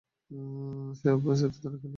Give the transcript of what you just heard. সাওভ্যাজ, এত তাড়া কেন!